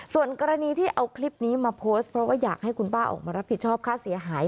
ส่วนกรณีที่เอาคลิปนี้มาโพสต์เพราะว่าอยากให้คุณป้าออกมารับผิดชอบค่าเสียหาย